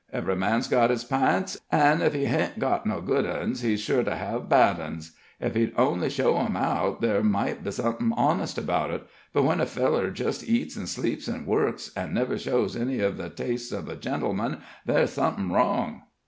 Ev'ry man's got his p'ints, an' ef he hain't got no good uns, he's sure to have bad uns. Ef he'd only show 'em out, there might be somethin' honest about it; but when a feller jist eats an' sleeps an' works, an' never shows any uv the tastes uv a gentleman, ther's somethin' wrong."